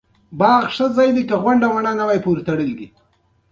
د لبنیاتو تولیدات څومره دي؟